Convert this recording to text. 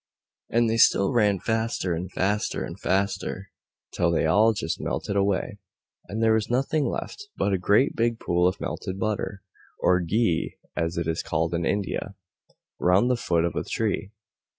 And they still ran faster and faster and faster, till they all just melted away, and there was nothing left but a great big pool of melted butter (or "ghi," as it is called in India) round the foot of the tree.